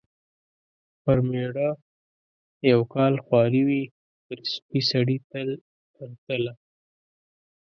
پر مېړه یو کال خواري وي ، پر سپي سړي تل تر تله .